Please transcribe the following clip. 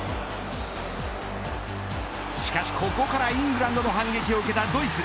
しかしここからイングランドの反撃を受けたドイツ。